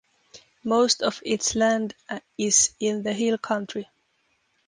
Most of its land is in the hill country.